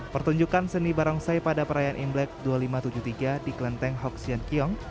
pertunjukan seni barongsai pada perayaan imlek dua ribu lima ratus tujuh puluh tiga di kelenteng hoksian kiong